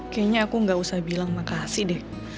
kayaknya aku gak usah bilang makasih deh